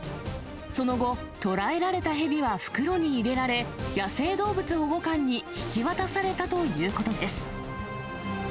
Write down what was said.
その後、捕らえられた蛇は袋に入れられ、野生動物保護官に引き渡されたということです。